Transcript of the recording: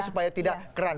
supaya tidak keran